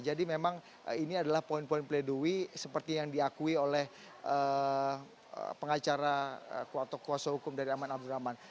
jadi memang ini adalah poin poin pledoi seperti yang diakui oleh pengacara atau kuasa hukum dari aman abdurrahman